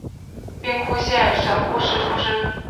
兵库县神户市出身。